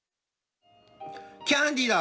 キャンディーだ。